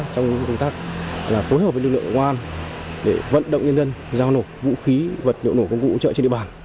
trong công tác phối hợp với lực lượng công an để vận động nhân dân giao nộp vũ khí vật liệu nổ công cụ hỗ trợ trên địa bàn